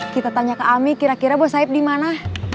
kita tanya ke ami kira kira bos saib di mana